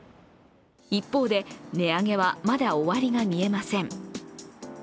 一方で、値上げはまだ終わりが見えません。